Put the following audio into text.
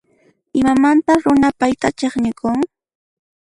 Imamantas runa payta chiqnikun?